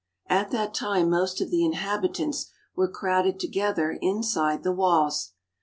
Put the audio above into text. At that time most of the inhabitants were crowded to gether inside the walls.